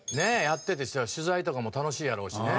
やってて取材とかも楽しいやろうしね。